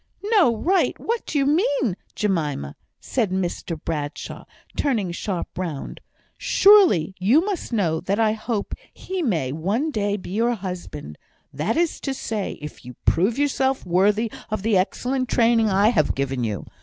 "No right! what do you mean, Jemima?" said Mr Bradshaw, turning sharp round. "Surely you must know that I hope he may one day be your husband; that is to say, if you prove yourself worthy of the excellent training I have given you.